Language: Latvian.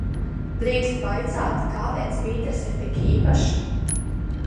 Drīkst vaicāt, kāpēc Pīters ir tik īpašs?